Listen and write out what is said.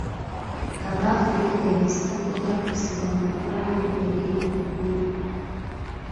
Abaafuna ebisago b'addusibwa mu ddwaliro eriri okumpi.